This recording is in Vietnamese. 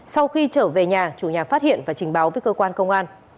sau khi trở về nhà chủ nhà phát hiện và trình báo với cơ quan công an